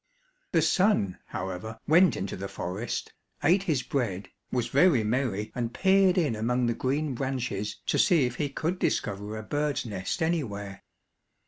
The son, however, went into the forest, ate his bread, was very merry and peered in among the green branches to see if he could discover a bird's nest anywhere.